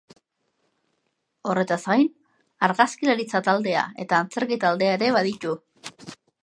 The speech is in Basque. Horretaz gain, argazkilaritza-taldea eta antzerki-taldea ere baditu.